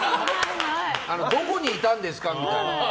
どこにいたんですかみたいな。